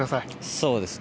そうですね。